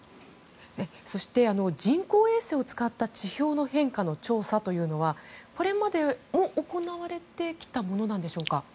人工衛星を使った地表の変化の調査というのはこれまでも行われてきたものでしょうか？